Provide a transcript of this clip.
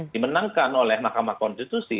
dimenangkan oleh mahkamah konstitusi